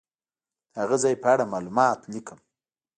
د هغه ځای په اړه معلومات لیکم.